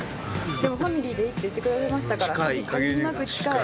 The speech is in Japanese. でもファミリーでいいって言ってくださいましたから限りなく近い。